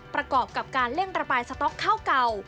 ประกอบกับการเร่งระบายสต๊อกข้าวเก่า